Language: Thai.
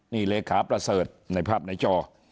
นี่เลขาประเสริฐในภาพในจอ